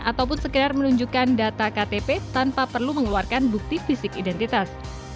ataupun sekedar menunjukkan data ktp tanpa perlu mengeluarkan bukti fisik identitas